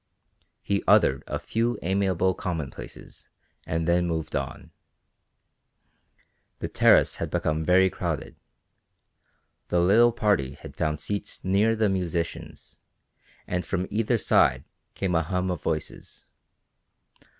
He uttered a few amiable commonplaces and then moved on. The terrace had become very crowded. The little party had found seats near the musicians, and from either side came a hum of voices.